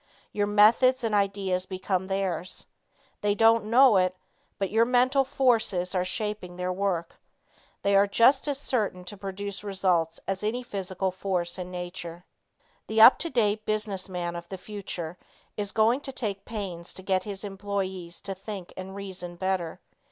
Your methods and ideas become theirs. They don't know it, but your mental forces are shaping their work. They are just as certain to produce results as any physical force in nature. The up to date business man of the future is going to take pains to get his employees to think and reason better.